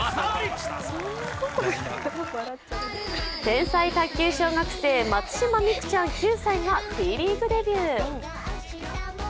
天才卓球小学生、松島美空ちゃん９歳がＴリーグデビュー。